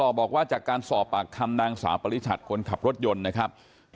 บอกว่าจากการสอบปากคำนางสาวปริชัดคนขับรถยนต์นะครับ